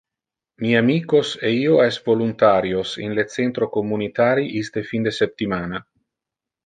Mi amicos e io es voluntarios in le centro communitari iste fin de septimana.